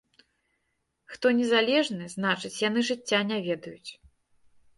Хто незалежны, значыць, яны жыцця не ведаюць.